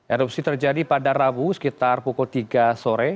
erupsi terjadi pada rabu sekitar pukul tiga sore